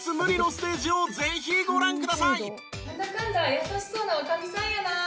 優しそうな女将さんやなあ。